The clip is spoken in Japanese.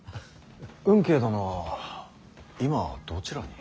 運慶殿は今どちらに？